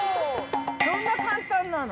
◆そんな簡単なの？